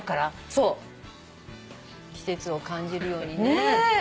そう季節を感じるようにね。